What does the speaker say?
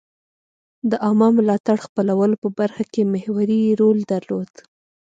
د عامه ملاتړ خپلولو په برخه کې محوري رول درلود.